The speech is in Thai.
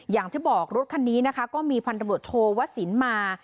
อย่างที่บอกรถคันนี้นะคะก็มีพันธบรวจโทวสินมา